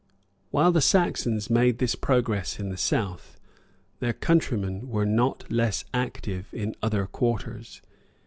While the Saxons made this progress in the south, their countrymen were not less active in other quarters.